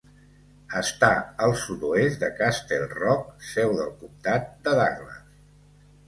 Està al sud-oest de Castle Rock, seu del comtat de Douglas.